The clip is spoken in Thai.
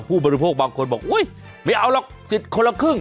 ผู้บริโภคบางคนบอกอุ๊ยไม่เอาหรอกสิทธิ์คนละครึ่ง